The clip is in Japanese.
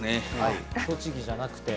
栃木じゃなくて？